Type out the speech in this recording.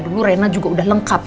dulu rena juga udah lengkap